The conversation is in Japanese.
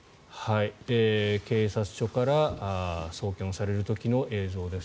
警察署から送検される時の映像です。